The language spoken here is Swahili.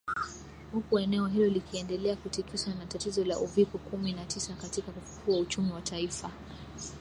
huku eneo hilo likiendelea kutikiswa na tatizo la UVIKO kumi na tisa katika kufufua uchumi wa taifa